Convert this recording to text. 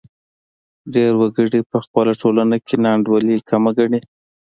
ډېر وګړي په خپله ټولنه کې ناانډولي کمه ګڼي.